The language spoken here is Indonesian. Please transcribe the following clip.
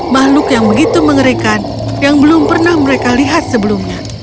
makhluk yang begitu mengerikan yang belum pernah mereka lihat sebelumnya